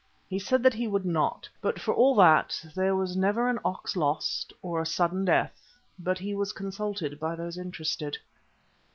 He said that he would not, but for all that there was never an ox lost, or a sudden death, but he was consulted by those interested.